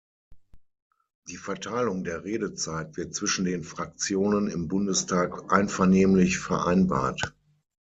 Die Verteilung der Redezeit wird zwischen den Fraktionen im Bundestag einvernehmlich vereinbart.